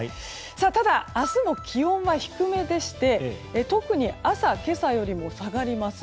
ただ、明日も気温は低めでして特に朝は今朝よりも下がります。